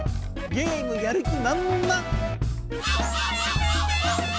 ゲームやる気まんまん！